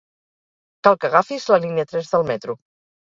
Cal que agafis la línia tres del metro.